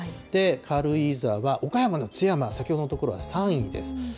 軽井沢、岡山の津山、先ほどの所は３位です。